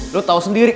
lo tau sendiri